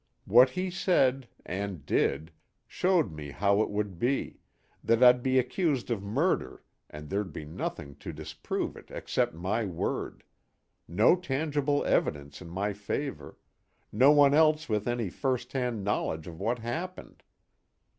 What he said and did showed me how it would be, that I'd be accused of murder and there'd be nothing to disprove it except my word no tangible evidence in my favor, no one else with any first hand knowledge of what happened.